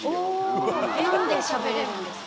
何でしゃべれるんですか？